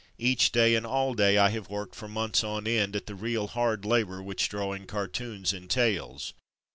Each day, and all day, I have worked for months on end at the real hard labour which drawing cartoons entails.